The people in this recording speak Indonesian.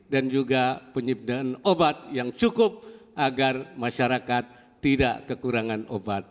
dan juga penyimpidan obat yang cukup agar masyarakat tidak kekurangan obat